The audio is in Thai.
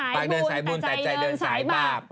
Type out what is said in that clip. เดินสายบุญใส่ใจเดินสายบาป